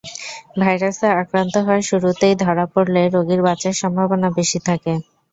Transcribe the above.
ভাইরাসে আক্রান্ত হওয়ার শুরুতেই ধরা পড়লে রোগীর বাঁচার সম্ভাবনা বেশি থাকে।